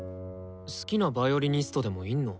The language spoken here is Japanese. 好きなヴァイオリニストでもいんの？